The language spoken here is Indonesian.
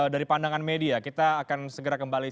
dari pandangan media kita akan segera kembali